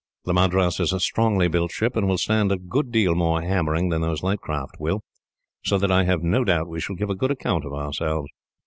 The Madras is a strongly built ship, and will stand a good deal more hammering than those light craft will, so that I have no doubt we shall give a good account of ourselves."